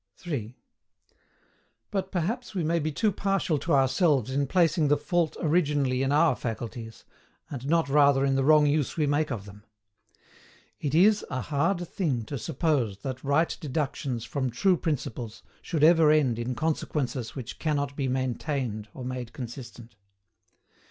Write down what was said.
3. But, perhaps, we may be too partial to ourselves in placing the fault originally in our faculties, and not rather in the wrong use we make of them. IT IS A HARD THING TO SUPPOSE THAT RIGHT DEDUCTIONS FROM TRUE PRINCIPLES SHOULD EVER END IN CONSEQUENCES WHICH CANNOT BE MAINTAINED or made consistent.